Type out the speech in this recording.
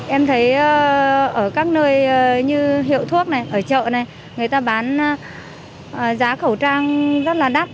em thấy ở các nơi như hiệu thuốc này ở chợ này người ta bán giá khẩu trang rất là đắt